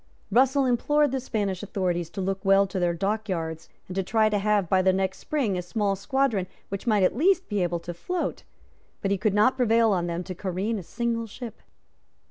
Russell implored the Spanish authorities to look well to their dockyards, and to try to have, by the next spring, a small squadron which might at least be able to float; but he could not prevail on them to careen a single ship.